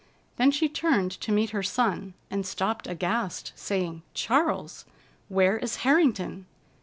Then she turned to meet her son, and stopped aghast, saying, "Charles! Where is Harrington?"